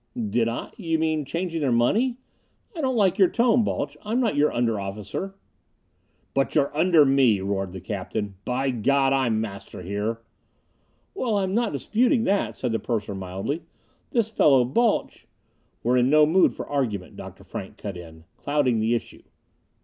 "Did I? You mean changing their money? I don't like your tone, Balch. I'm not your under officer!" "But you're under me," roared the captain. "By God, I'm master here!" "Well, I'm not disputing that," said the purser mildly. "This fellow Balch " "We're in no mood for argument," Dr. Frank cut in. "Clouding the issue."